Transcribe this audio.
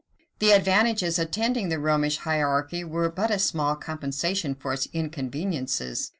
The advantages attending the Romish hierarchy were but a small compensation for its inconveniences.